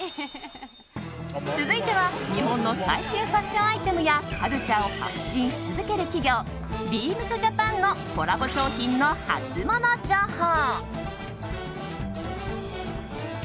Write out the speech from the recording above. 続いては、日本の最新ファッションアイテムやカルチャーを発信し続ける企業ＢＥＡＭＳＪＡＰＡＮのコラボ商品のハツモノ情報。